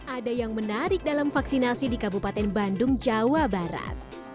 ada yang menarik dalam vaksinasi di kabupaten bandung jawa barat